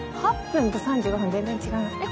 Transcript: ８分と３５分全然違いますね。